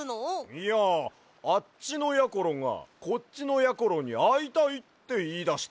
いやあっちのやころがこっちのやころにあいたいっていいだしてな。